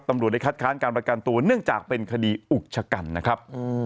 ตำรวจได้คัดค้านการประกันตัวเนื่องจากเป็นคดีอุกชะกันนะครับ